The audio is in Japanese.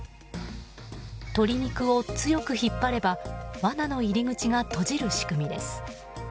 鶏肉を強く引っ張ればわなの入り口が閉じる仕組みです。